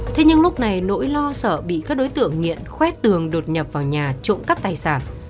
thế nhưng lúc này nỗi lo sợ bị các đối tượng nghiện khuét tường đột nhập vào nhà trộm cắp tài sản